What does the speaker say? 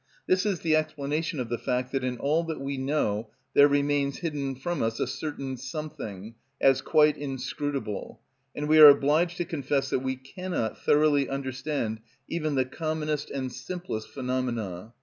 This is the explanation of the fact that in all that we know there remains hidden from us a certain something, as quite inscrutable, and we are obliged to confess that we cannot thoroughly understand even the commonest and simplest phenomena.